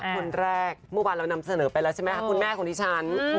คนแรกเมื่อวานเรานำเสนอไปแล้วใช่ไหมคะคุณแม่ของดิฉัน